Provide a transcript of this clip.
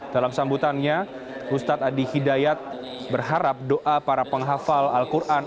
dalam sambutannya ustadz adi hidayat berharap doa para penghafal al quran